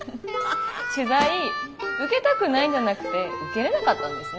取材受けたくないんじゃなくて受けれなかったんですね。